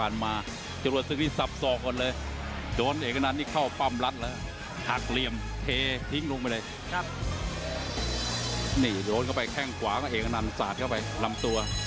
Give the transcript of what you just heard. นี่โดนเข้าไปแข้งขวางเองนันสัตว์เข้าไปลำตัว